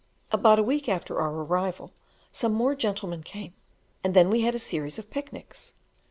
About a week after our arrival, some more gentlemen came, and then we had a series of picnics.